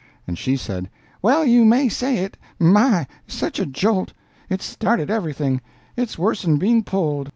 And she said, "Well you may say it! My! such a jolt! It started everything. It's worse'n being pulled!